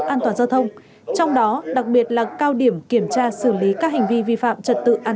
an toàn giao thông trong đó đặc biệt là cao điểm kiểm tra xử lý các hành vi vi phạm trật tự an